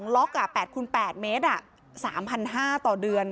ล็อก๘คูณ๘เมตร๓๕๐๐ต่อเดือน